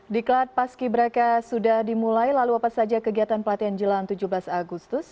dikelat paski berak sudah dimulai lalu apa saja kegiatan pelatihan jelalan tujuh belas agustus